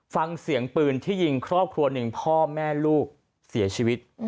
ฟังเสียงปืนที่ยิงครอบครัวหนึ่งพ่อแม่ลูกเสียชีวิต